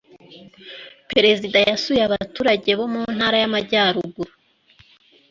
perezida yasuye abaturage bo mu ntara y’ amajyaruguru